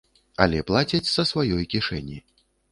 Але плацяць са сваёй кішэні.